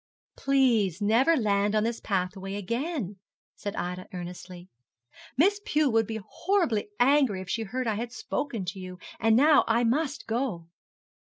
'Please never land on this pathway again,' said Ida earnestly 'Miss Pew would be horribly angry if she heard I had spoken to you. And now I must go.'